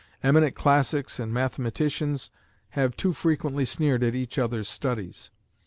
Eminent classics and mathematicians have too frequently sneered at each other's studies.